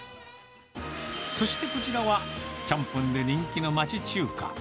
そしてこちらは、ちゃんぽんで人気の町中華。